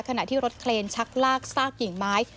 ขณะที่รถเคลนชักลากซากกิ่งไม้